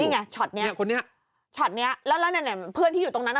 นี่ไงช็อตเนี้ยคนนี้ช็อตเนี้ยแล้วแล้วเนี่ยเพื่อนที่อยู่ตรงนั้นอ่ะ